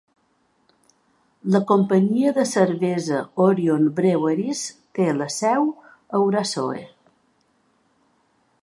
La companyia de cervesa Orion Breweries té la seu a Urasoe.